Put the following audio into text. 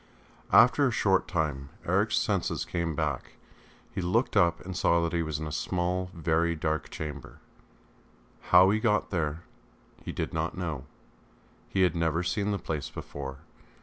After a short time Eric's senses came back; he looked up and saw that he was in a small, very dark chamber. How he got there he did not know, he had never seen the place before.